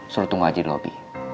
suruh tunggu aja di lobi